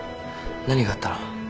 何があったの？